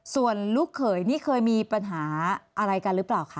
ส่วนลูกเขยนี่เคยมีปัญหาอะไรกันหรือเปล่าคะ